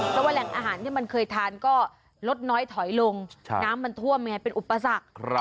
เพราะว่าแหล่งอาหารที่มันเคยทานก็ลดน้อยถอยลงน้ำมันท่วมไงเป็นอุปสรรค